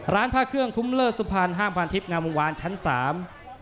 ร้านพระเครื่องทุ้มเลิศสุพรรณห้ามพันทิพย์งามวงวานชั้นสาม